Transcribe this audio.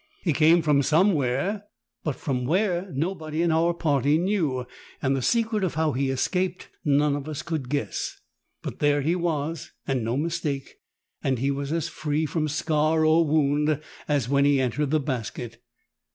He came from somewhere, but from where nobody in our partj^ knew, and the secret of how he escaped none of us could guess. But there he was, and no mistake, and he was as free from scar or wound as when he entered the basket.